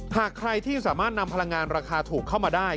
หากใครที่สามารถนำพลังงานราคาถูกเข้ามาได้